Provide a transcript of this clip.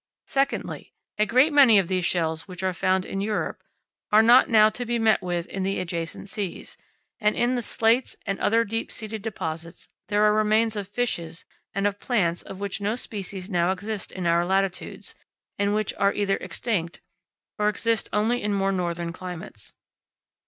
Secondly, a great many of these shells which are found in Europe are not now to be met with in the adjacent seas; and, in the slates and other deep seated deposits, there are remains of fishes and of plants of which no species now exist in our latitudes, and which are either extinct, or exist only in more northern climates.